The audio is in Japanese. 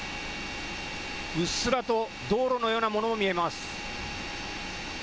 うっすらと道路のようなものも見えます。